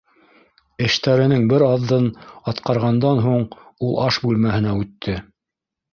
Эштәренең бер аҙын атҡарғандан һуң ул аш бүлмәһенә үтте.